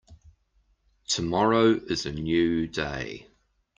Tomorrow is a new day.